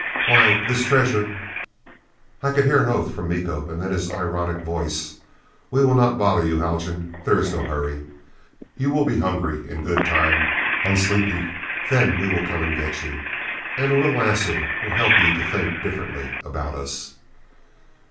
Why, this treasure " I could hear an oath from Miko. And then his ironic voice. "We will not bother you, Haljan. There is no hurry. You will be hungry in good time. And sleepy. Then we will come and get you. And a little acid will help you to think differently about us...."